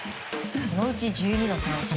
そのうち１２の三振。